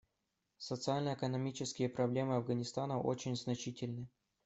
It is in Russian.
Социально-экономические проблемы Афганистана очень значительны.